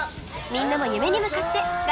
みんなも夢に向かって頑張れ！